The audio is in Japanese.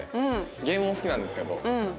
ゲームも好きなんですけど。